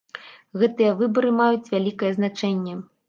Гэтыя выбары маюць вялікае значэнне.